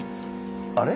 あれ？